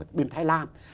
ở bên thái lan